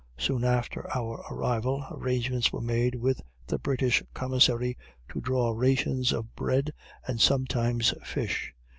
Soon after our arrival arrangements were made with the British Commissary to draw rations of bread, and sometimes fish.